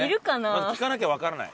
まず聞かなきゃわからない。